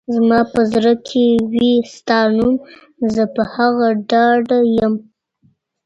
زما په زړه کي وي ستا نوم ، زه په هغه ډاډه يم